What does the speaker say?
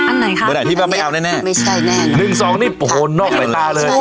อันไหนคะไม่ได้ที่บ้านไม่เอาแน่แน่ไม่ใช่แน่เลยหนึ่งสองนี่โอ้โหนอกสายตาเลย